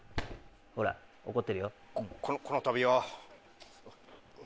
ほら怒ってるよ。